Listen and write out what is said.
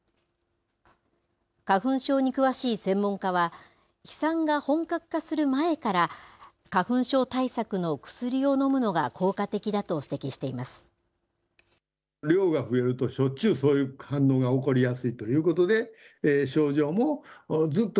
花粉症に詳しい専門家は、飛散が本格化する前から、花粉症対策の薬を飲むのが効果的だと指摘しています。